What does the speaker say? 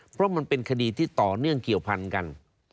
เพราะมันเป็นคดีที่ต่อเนื่องเกี่ยวพันกัน